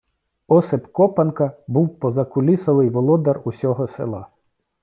Осип Копанка був позакулісовий володар усього села.